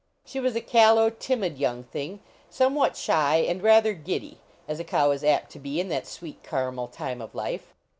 She was a callow, timid young thing ; somewhat shy, and rather giddy, as a cow is apt to be in that sweet caramel time of life.